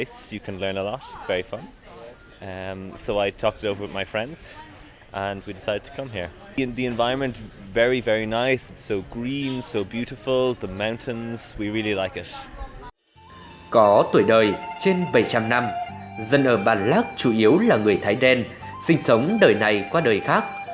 có tuổi đời trên bảy trăm linh năm dân ở bản lác chủ yếu là người thái đen sinh sống đời này qua đời khác